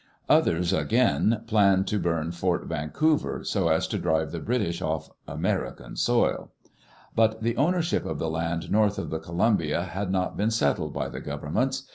Others, again, planned to burn Fort Vancouver, so as to drive the British off "American soil." But the ownership of the land north of the Columbia had not been settled by the governments.